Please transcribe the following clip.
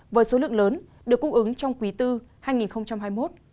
với số lượng lớn được cung ứng trong quý iv hai nghìn hai mươi một